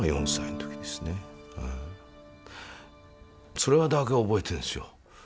それだけ覚えてるんですよ。